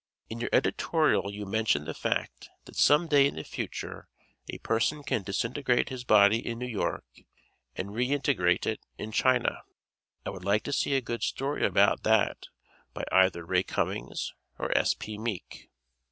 In your editorial you mention the fact that some day in the future a person can disintegrate his body in New York and reintegrate it in China. I would like to see a good story about that by either Ray Cummings or S.P. Meek.